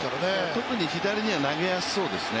特に左には投げやすそうですね。